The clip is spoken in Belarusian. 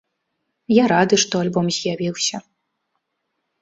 Я рады, што альбом з'явіўся.